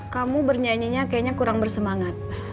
kamu bernyanyinya kayaknya kurang bersemangat